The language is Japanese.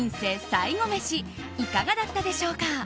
最後メシいかがだったでしょうか？